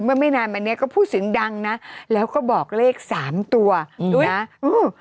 เมื่อไม่นานมาเนี้ยก็พูดสินดังนะแล้วก็บอกเลขสามตัวนะอื้อ